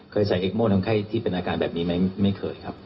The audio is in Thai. ใส่เอ็กโม่น้ำไข้ที่เป็นอาการแบบนี้ไหมไม่เคยครับ